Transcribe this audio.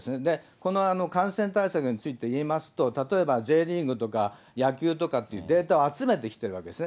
この感染対策について言いますと、例えばＪリーグとか野球とかっていうデータを集めてきてるわけですね。